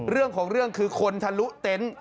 เรื่องของเรื่องคือคนทะลุเต็นต์